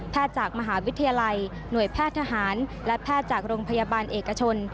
จากมหาวิทยาลัยหน่วยแพทย์ทหารและแพทย์จากโรงพยาบาลเอกชน